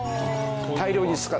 大量に使う。